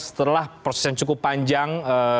setelah proses yang cukup panjang